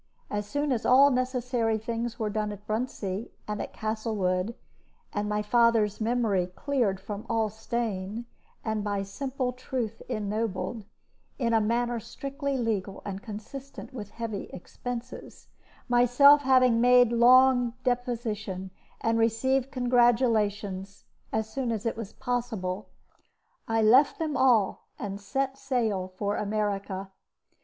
As soon as all necessary things were done at Bruntsea and at Castlewood, and my father's memory cleared from all stain, and by simple truth ennobled, in a manner strictly legal and consistent with heavy expenses, myself having made a long deposition and received congratulations as soon as it was possible, I left them all, and set sail for America.